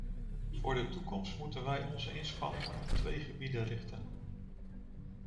Voor de toekomst moeten wij onze inspanningen op twee gebieden richten.